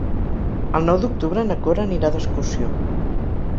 El nou d'octubre na Cora anirà d'excursió.